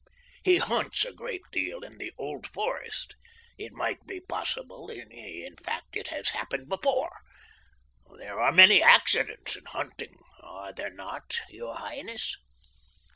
He hunts a great deal in the Old Forest. It might be possible—in fact, it has happened, before—there are many accidents in hunting, are there not, your highness?"